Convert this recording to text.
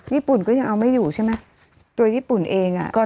ญี่ปุ่นก็ยังเอาไม่อยู่ใช่ไหมตัวญี่ปุ่นเองอ่ะก็